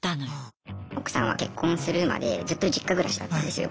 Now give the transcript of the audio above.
奥さんは結婚するまでずっと実家暮らしだったんですよ。